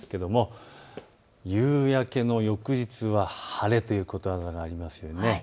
夕焼けの翌日は晴れということわざがあります。